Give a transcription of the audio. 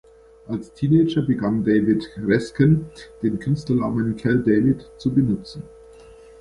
Als Teenager begann David Raskin den Künstlernamen Kal David zu benutzen.